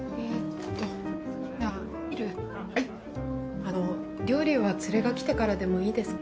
あの料理は連れが来てからでもいいですか？